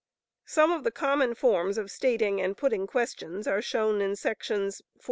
Some of the common forms of stating and putting questions are shown in §§ 46 48.